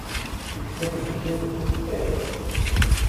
Nettat meẓẓiyet? Ih.